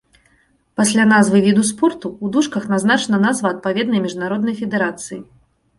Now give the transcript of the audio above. Пасля назвы віду спорту ў дужках назначана назва адпаведнай міжнароднай федэрацыі.